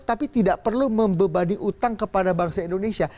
tapi tidak perlu membebani utang kepada bangsa indonesia